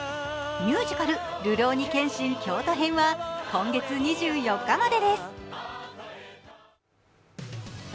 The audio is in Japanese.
ミュージカル「るろうに剣心京都編」は今月２４日までです。